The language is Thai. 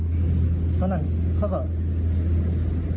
เพราะนั้นเขาก็